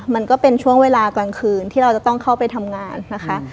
มันก็เป็นช่วงเวลากลางคืนที่เราจะต้องเข้าไปทำงานนะคะ